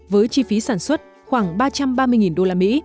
với chi phí sản xuất khoảng ba trăm ba mươi usd